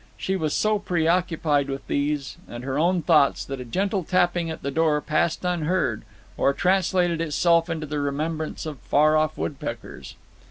She was so preoccupied with these and her own thoughts that a gentle tapping at the door passed unheard, or translated itself into the remembrance of far off woodpeckers.